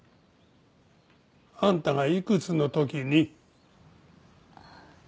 あんたがいくつの時に？